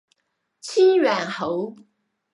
清远侯。